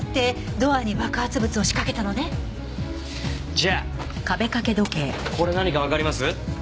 じゃあこれ何かわかります？